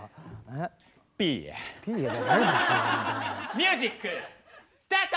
ミュージックスタート！